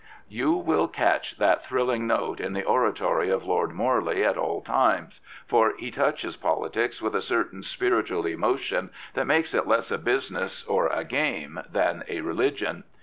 You will catch that thrilling note in the oratory of Lord Morley at all times, for he touches politics with a certain spiritual emotion that makes it less a busi ness or a game than a religion.